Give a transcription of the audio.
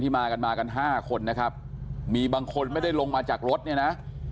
มากันมากันห้าคนนะครับมีบางคนไม่ได้ลงมาจากรถเนี่ยนะ